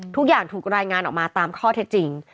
ทุกอย่างถูกรายงานออกมาตามข้อเท็จจริง